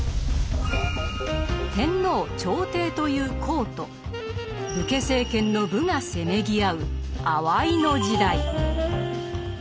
天皇・朝廷という「公」と武家政権の「武」がせめぎ合う「あわいの時代」。